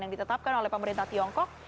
yang ditetapkan oleh pemerintah tiongkok